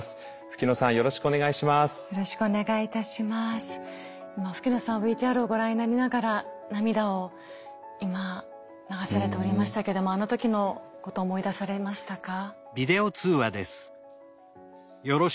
吹野さんＶＴＲをご覧になりながら涙を今流されておりましたけどもあの時のこと思い出されましたか？